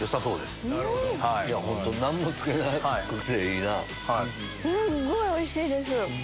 すっごいおいしいです！